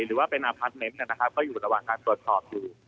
หรือว่าเป็นอพาร์ทเมนต์นะครับก็อยู่ระหว่างการตรวจสอบอยู่